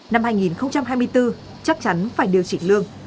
năm hai nghìn hai mươi bốn chắc chắn phải điều chỉnh lương